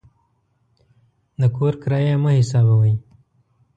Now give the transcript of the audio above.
د کور کرایه یې مه حسابوئ.